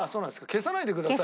消さないでくださいよ。